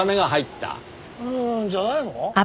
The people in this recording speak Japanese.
うーんじゃないの？